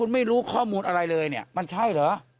ไม่รู้ข้อมูลอะไรเลยเนี่ยมันใช่เหรอ